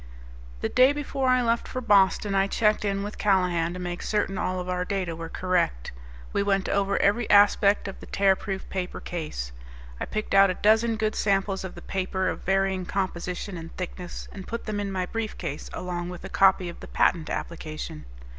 The day before I left for Boston I checked in with Callahan to make certain all of our data were correct. We went over every aspect of the Tearproof Paper Case. I picked out a dozen good samples of the paper of varying composition and thickness and put them in my briefcase along with a copy of the patent application.